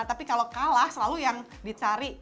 tapi kalau kalah selalu yang dicari